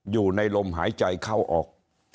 อยู่ในลมหายใจเข้าออก